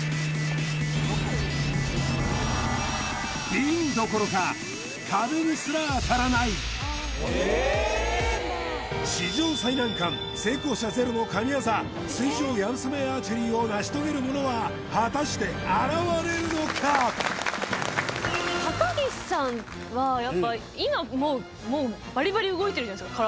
ビンどころか史上最難関成功者ゼロの神業水上流鏑馬アーチェリーを成し遂げるものは果たして現れるのか高岸さんはやっぱ今ももうバリバリ動いてるじゃないですか